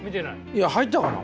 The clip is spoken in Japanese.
いや入ったがな。